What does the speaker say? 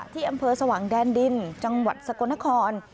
ที่อำเภอสว่างแดนดินจังหวัดสกลนคร